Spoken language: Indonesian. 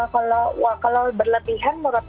kalau berlebihan menurut